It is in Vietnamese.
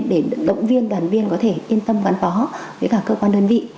để động viên đoàn viên có thể yên tâm văn phó với cả cơ quan đơn vị